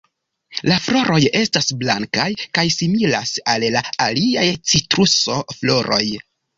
La floroj estas blankaj kaj similas al la aliaj "Citruso"-floroj.